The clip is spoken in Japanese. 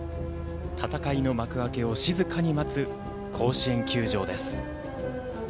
戦いの幕開けを静かに待つ甲子園球場です。